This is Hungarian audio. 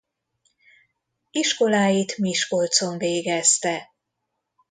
Iskoláit Miskolcon végezte.